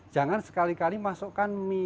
jangan sekali kali masukkan mie yang kering